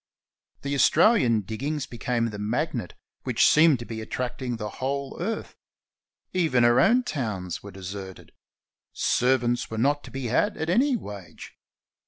The AustraUan diggings became the magnet which seemed to be attracting the whole earth. Even her own towns were deserted. Servants were not to be had at any wage.